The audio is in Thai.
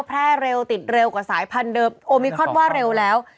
แพร่เร็วติดเร็วกว่าสายพันธุเดิมโอมิครอนว่าเร็วแล้ว